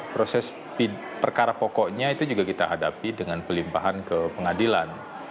proses perkara pokoknya itu juga kita hadapi dengan pelimpahan ke pengadilan